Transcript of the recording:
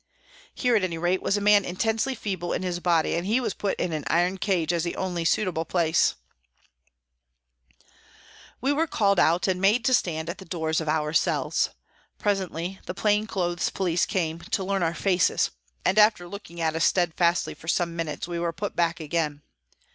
Here, at any rate, was a man intensely feeble in his body, and he was put in an iron cage as the only suitable place ! We were called out and made to stand at the doors of our cells. Presently, the plain clothes police came to " learn our faces," and after looking at us stead fastly for some minutes, we were put back again.